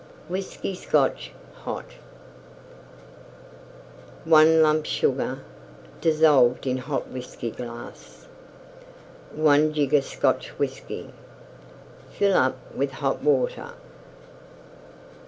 WHISKEY SCOTCH HOT 1 lump Sugar dissolved in Hot Whiskey glass. 1 jigger Scotch Whiskey. Fill up with Hot Water.